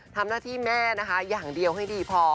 ทำหน้าที่แม่นะคะอย่างเดียวให้ดีพอ